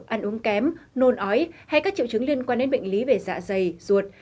ăn uống kém nôn ói hay các triệu chứng liên quan đến bệnh lý về dạ dày ruột